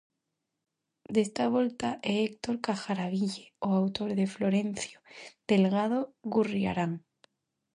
Desta volta é Héctor Cajaraville o autor de Florencio Delgado Gurriarán.